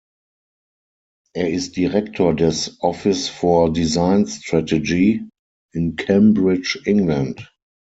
Er ist Direktor des "Office for Design Strategy" in Cambridge, England.